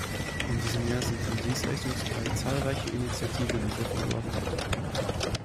In diesem Jahr sind im Dienstleistungsbereich zahlreiche Initiativen ergriffen worden.